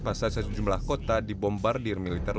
pasal sejumlah kota di bombardir militer